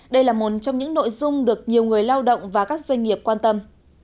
đây là một trong những nội dung được nhiều người lao động và các doanh nghiệp quan tâm